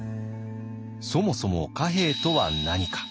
そもそも貨幣とは何か。